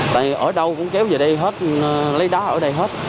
tại ở đâu cũng kéo về đây hết lấy đá ở đây hết